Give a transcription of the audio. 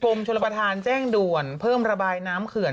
ชนประธานแจ้งด่วนเพิ่มระบายน้ำเขื่อน